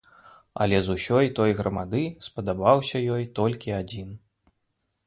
Але з усёй той грамады спадабаўся ёй толькі адзін.